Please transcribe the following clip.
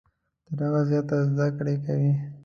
تر هغه زیاته زده کړه کوي .